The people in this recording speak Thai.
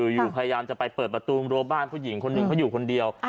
อยู่พยายามจะไปเปิดประตูรัวบ้านผู้หญิงคนหนึ่งเขาอยู่คนเดียว